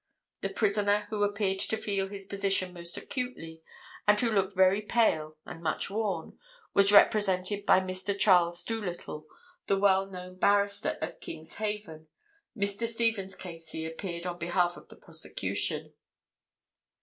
The prisoner, who appeared to feel his position most acutely, and who looked very pale and much worn, was represented by Mr. Charles Doolittle, the well known barrister of Kingshaven; Mr. Stephens, K.C., appeared on behalf of the prosecution.